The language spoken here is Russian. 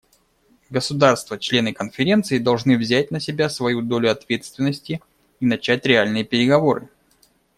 Государства — члены Конференции должны взять на себя свою долю ответственности и начать реальные переговоры.